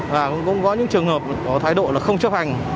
và cũng có những trường hợp có thái độ là không chấp hành